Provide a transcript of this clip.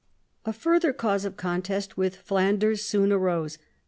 A further cause of contest with Flanders soon arose.